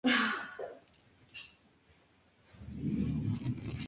Tiene un hermano llamado como su padre, Armando.